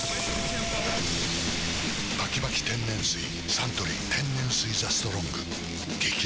サントリー天然水「ＴＨＥＳＴＲＯＮＧ」激泡